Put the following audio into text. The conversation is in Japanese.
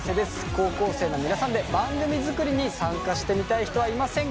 高校生の皆さんで番組作りに参加してみたい人はいませんか？